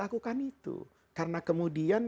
lakukan itu karena kemudian